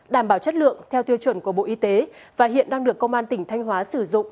đảm bảo chất lượng theo tiêu chuẩn của bộ y tế và hiện đang được công an tỉnh thanh hóa sử dụng